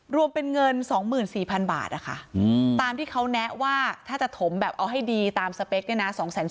รวมเป็นเงิน๒๔๐๐๐บาทนะคะตามที่เขาแนะว่าถ้าจะถมแบบเอาให้ดีตามสเปคเนี่ยนะ